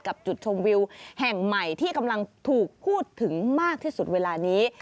จุดชมวิวแห่งใหม่ที่กำลังถูกพูดถึงมากที่สุดเวลานี้